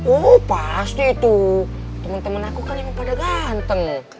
oh pasti itu teman teman aku kan yang pada ganteng